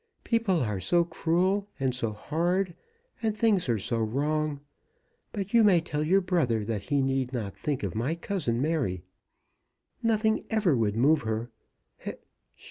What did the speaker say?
People are so cruel and so hard, and things are so wrong. But you may tell your brother that he need not think of my cousin, Mary. Nothing ever would move her.